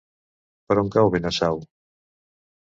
Per on cau Benasau?